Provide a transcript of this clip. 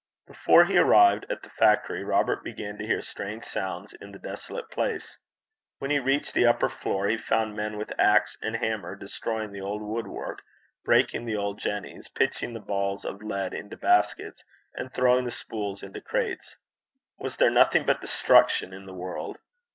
Before he arrived at the factory, Robert began to hear strange sounds in the desolate place. When he reached the upper floor, he found men with axe and hammer destroying the old woodwork, breaking the old jennies, pitching the balls of lead into baskets, and throwing the spools into crates. Was there nothing but destruction in the world?